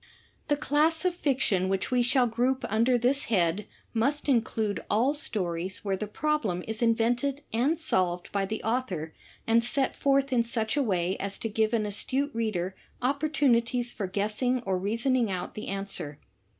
The class of fiction which we shall group under this head must include all stories where the problem is invented and solved by the author and set forth in such a way as to give an astute reader opportunities for guessing or reasoning out I the answer.